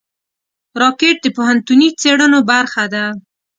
راکټ د پوهنتوني څېړنو برخه ده